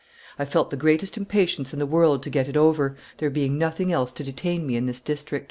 I felt the greatest impatience in the world to get it over, there being nothing else to detain me in this district.